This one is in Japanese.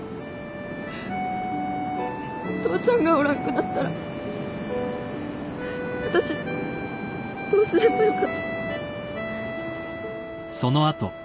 父ちゃんがおらんくなったら私どうすればよかと？